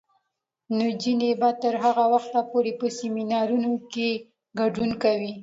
نجونې به تر هغه وخته پورې په سیمینارونو کې ګډون کوي.